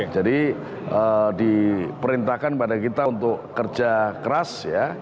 jadi diperintahkan pada kita untuk kerja keras ya